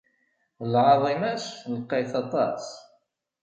Lɛaḍima-s lqayet aṭas.